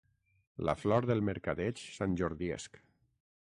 La flor del mercadeig santjordiesc.